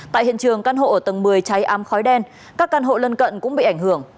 tại hiện trường căn hộ ở tầng một mươi cháy ám khói đen các căn hộ lân cận cũng bị ảnh hưởng